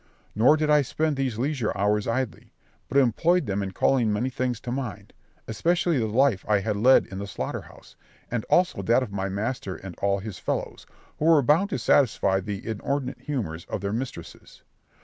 Nor did I spend those leisure hours idly, but employed them in calling many things to mind, especially the life I had led in the slaughter house, and also that of my master and all his fellows, who were bound to satisfy the inordinate humours of their mistresses.